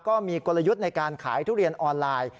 ก็มีกลยุทธ์ในการขายทุเรียนออนไลน์